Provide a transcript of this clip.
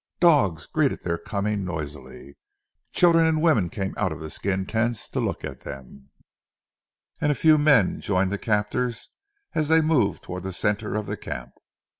Dogs greeted their coming noisily, children and women came out of the skin tents to look at them, and a few men joined their captors as they moved towards the centre of the camp.